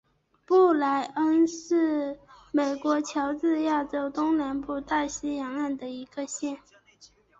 布赖恩县是美国乔治亚州东南部大西洋岸的一个县。